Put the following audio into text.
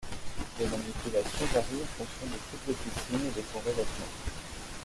Les manipulations varient en fonction du type de piscine et de son revêtement.